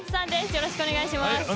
よろしくお願いします。